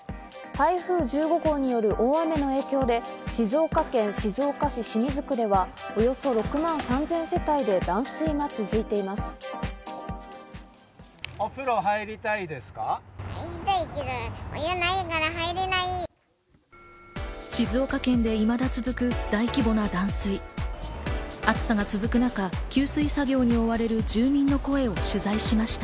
台風１５号による大雨の影響で静岡県静岡市清水区では、およそ６万３０００世帯で断水が続いています。